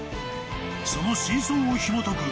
［その真相をひもとく